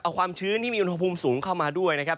เอาความชื้นที่มีอุณหภูมิสูงเข้ามาด้วยนะครับ